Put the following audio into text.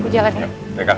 ya udah pak